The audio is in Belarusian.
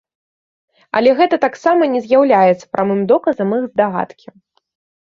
Але гэта таксама не з'яўляецца прамым доказам іх здагадкі.